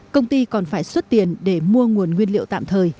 công ty còn phải xuất tiền để mua nguồn nguyên liệu tạm thời